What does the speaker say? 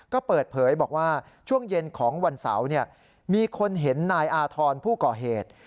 ก็เปิดเผยบอกว่าช่วงเย็นของวันเสาร์มีคนเห็นนายอาธรณ์ผู้ก่อเหตุ